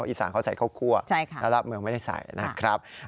อีสานเขาใส่ข้าวคั่วแล้วรอบเมืองไม่ได้ใส่นะครับ